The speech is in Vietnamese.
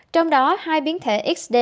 trong đó hai biến thể xd